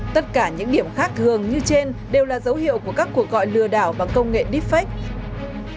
tất cả những điểm khác thường như trên đều là dấu hiệu của các cuộc gọi lừa đảo bằng công nghệ deepfake